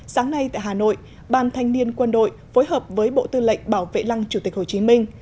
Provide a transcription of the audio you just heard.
sáng nay tại hà nội ban thanh niên quân đội phối hợp với bộ tư lệnh bảo vệ lăng chủ tịch hồ chí minh